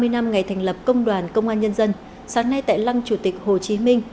ba mươi năm ngày thành lập công đoàn công an nhân dân sáng nay tại lăng chủ tịch hồ chí minh